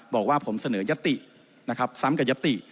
บอกว่าผมเสนอยัตตินะครับซ้ำกับยัตติ